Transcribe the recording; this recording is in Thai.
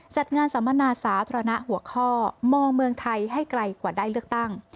จัดงานสัมมนาสาธารณะหัวข้อมองเมืองไทยให้ไกลกว่าได้เลือกตั้ง